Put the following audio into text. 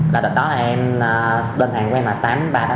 là lúc đó em đơn hàng của em là tám mươi ba tám mươi sáu